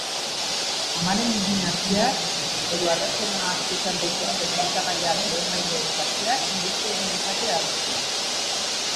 Amaren esnea hartzeak edo alergenikoak izan daitezkeen elikagaiak lehenbailehen sartzeak murriztu egin dezake arriskua